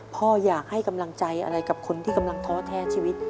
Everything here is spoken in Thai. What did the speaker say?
พ่ออยากให้กำลังใจอะไรกับคนที่กำลังท้อแท้ชีวิต